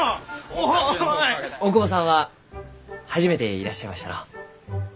大窪さんは初めていらっしゃいましたのう。